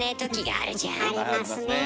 ありますね。